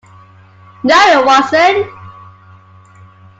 No, it wasn't.